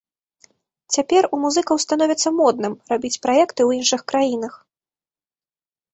Цяпер у музыкаў становіцца модным рабіць праекты ў іншых краінах.